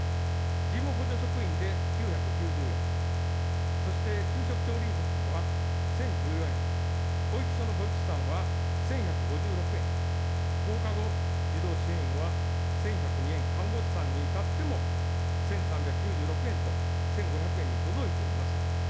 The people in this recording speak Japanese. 事務補助職員で９９０円、そして給食調理員は１０１４円、保育所の保育士さんは１１５６円、放課後児童支援員は１１０２円、看護師さんに至っても１３９６円と、１５００円に届いていません。